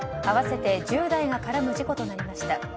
合わせて１０台が絡む事故となりました。